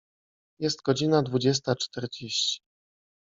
Jest godzina dwudziesta czterdzieści.